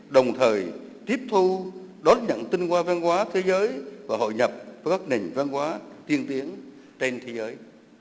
đồng thời tiếp thu đón nhận tinh hoa văn hóa thế giới và hội nhập với các nền văn hóa tiên tiến trên thế giới